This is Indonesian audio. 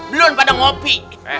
belum pada ngopi